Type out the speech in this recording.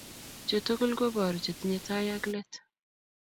Chu tugul koboru chetinyei tai ak let